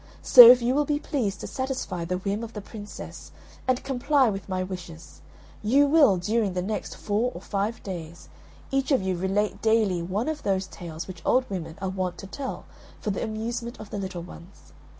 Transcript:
So, if you will be pleased to satisfy the whim of the Princess and comply with my wishes, you will, during the next four or five days, each of you relate daily one of those tales which old women are wont to tell for the amusement of the little ones.